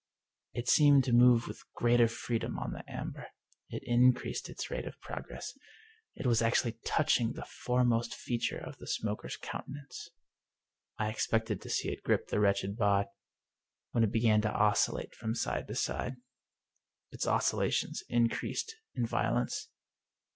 It seemed to move with greater freedom on the amber. It increased its rate of progress. It was actually touching the foremost feature on the smoker's countenance. I expected to see it grip the wretched Bob, when it began to oscillate from side to side. Its oscillations increased. in violence.